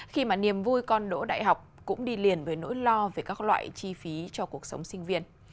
khi mà niềm vui con đỗ đại học cũng đi liền với nỗi lo về các loại chi phí cho cuộc sống sinh viên